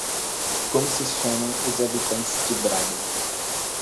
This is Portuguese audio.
Como se chamam os habitantes de Braga?